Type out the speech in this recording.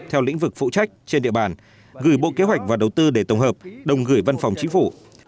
theo lĩnh vực phụ trách trên địa bàn gửi bộ kế hoạch và đầu tư để tổng hợp đồng gửi văn phòng chính phủ